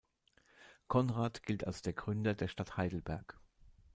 Konrad gilt als der Gründer der Stadt Heidelberg.